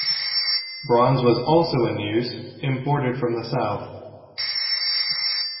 Bronze was also in use, imported from the south.